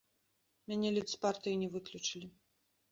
Мяне ледзь з партыі не выключылі.